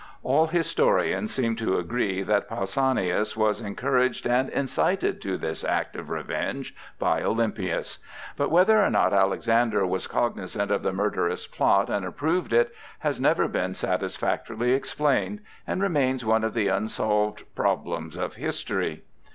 All historians seem to agree that Pausanias was encouraged and incited to this act of revenge by Olympias; but whether or not Alexander was cognizant of the murderous plot, and approved it, has never been satisfactorily explained, and remains one of the unsolved problems of history.